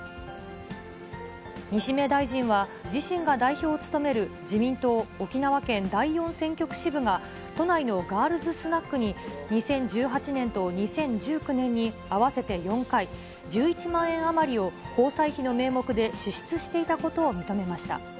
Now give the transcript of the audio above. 西銘大臣は、自身が代表を務める、自民党沖縄県第４選挙区支部が、都内のガールズスナックに、２０１８年と２０１９年に合わせて４回、１１万円余りを交際費の名目で支出していたことを認めました。